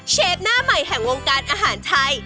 หน้าใหม่แห่งวงการอาหารไทย